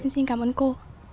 xin cảm ơn cô